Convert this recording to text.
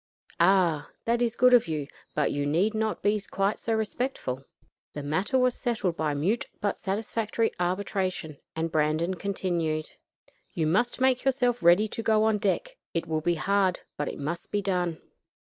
"Ah! that is good of you; but you need not be quite so respectful." The matter was settled by mute but satisfactory arbitration, and Brandon continued: "You must make yourself ready to go on deck. It will be hard, but it must be done."